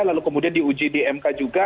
lalu kemudian diuji di mk juga